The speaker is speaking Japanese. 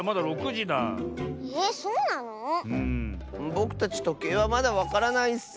ぼくたちとけいはまだわからないッス！